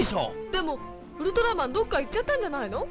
でもウルトラマンどっか行っちゃったんじゃないの？